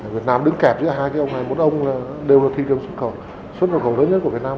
việt nam đứng kẹp giữa hai cái ông này bốn ông đều là thi đấu xuất khẩu xuất khẩu lớn nhất của việt nam